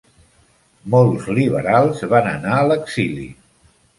Molts liberals van anar a l'exili.